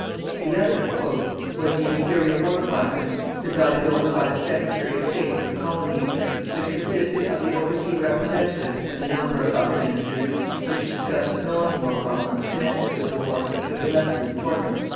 The other "was the Imperial War Conference, presided over by the Secretary of State for the Colonies, which consisted of the Oversea Representatives and a number of other ministers, which discussed non war problems connected with the war but of lesser importance."